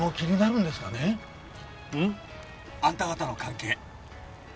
ん？あんた方の関係。